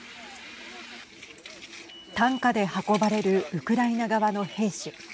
担架で運ばれるウクライナ側の兵士。